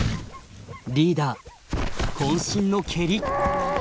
リーダーこん身の蹴り！